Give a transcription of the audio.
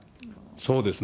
そうですね。